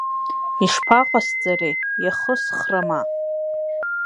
Ишԥаҟасҵари, иахысхрыма?